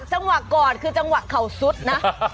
จังหวะกอดคือจังหวะเข่าซุดนะ